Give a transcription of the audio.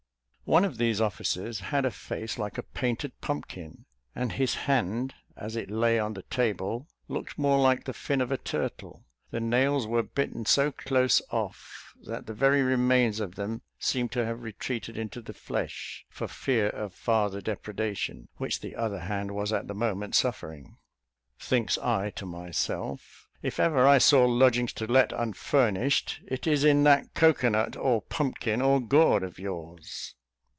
One of these officers had a face like a painted pumpkin; and his hand, as it lay on the table, looked more like the fin of a turtle; the nails were bitten so close off, that the very remains of them seemed to have retreated into the flesh, for fear of farther depredation, which the other hand was at the moment suffering. Thinks I to myself, "If ever I saw 'lodgings to let, unfurnished,' it is in that cocoa nut, or pumpkin, or gourd of yours."